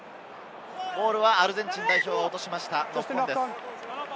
ボールはアルゼンチン代表を落としました、ノックオンです。